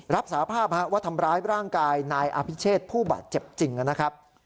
รับสาภาพว่าทำร้ายร่างกายนายอภิเชษผู้บาดเจ็บจริงนะครับ